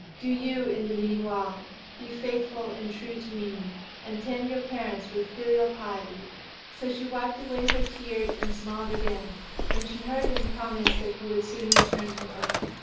Do you, in the meanwhile, be faithful and true to me, and tend your parents with filial piety." So she wiped away her tears and smiled again, when she heard him promise that he would soon return to her.